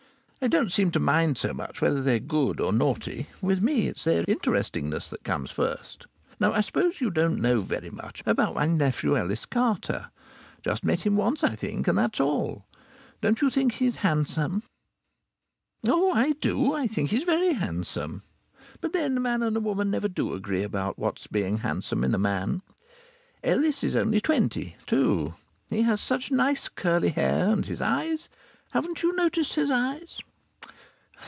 I don't seem to mind so much whether they're good or naughty with me it's their interestingness that comes first. Now I suppose you don't know very much about my nephew, Ellis Carter. Just met him once, I think, and that's all. Don't you think he's handsome? Oh! I do. I think he's very handsome. But then a man and a woman never do agree about what being handsome is in a man. Ellis is only twenty, too. He has such nice curly hair, and his eyes haven't you noticed his eyes?